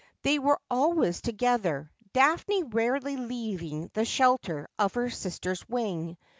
They were always together, Daphne rarely leaving the shelter of her sister's wing.